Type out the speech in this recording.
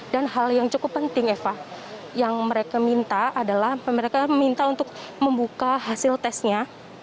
dan hal yang cukup penting eva yang mereka minta adalah mereka minta untuk membuka hasil tesnya